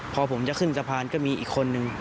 พอผมจะขึ้นสะพานก็มีอีกคนนึง